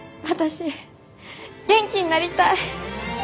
私元気になりたい！